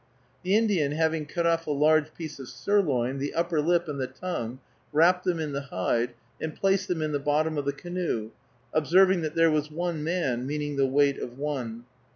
The Indian, having cut off a large piece of sirloin, the upper lip, and the tongue, wrapped them in the hide, and placed them in the bottom of the canoe, observing that there was "one man," meaning the weight of one.